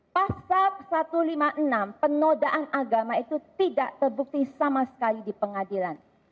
pasal satu ratus lima puluh enam penodaan agama itu tidak terbukti sama sekali di pengadilan